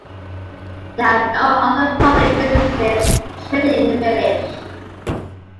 There are no other public businesses trading in the village.